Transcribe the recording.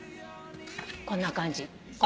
こんな感じ。